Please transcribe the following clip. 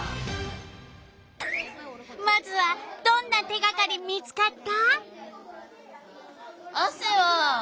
まずはどんな手がかり見つかった？